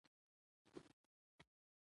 د هغې نوم به هېر نه سي.